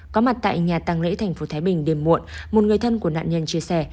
có mặt tại nhà tăng lễ tp thái bình đêm muộn một người thân của nạn nhân chia sẻ